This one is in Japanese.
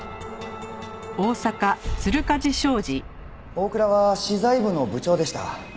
大倉は資材部の部長でした。